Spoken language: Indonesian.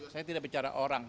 saya tidak bicara orang